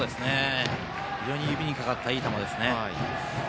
非常に指にかかったいい球ですね。